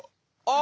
あ！